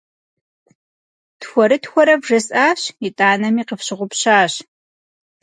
Тхуэрытхуэрэ вжесӏащ, итӏанэми къыфщыгъупщащ.